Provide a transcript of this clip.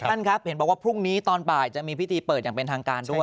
ท่านครับเห็นบอกว่าพรุ่งนี้ตอนบ่ายจะมีพิธีเปิดอย่างเป็นทางการด้วย